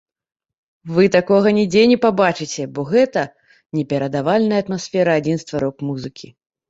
Вы такога нідзе не пабачыце, бо гэта неперадавальная атмасфера адзінства рок-музыкі!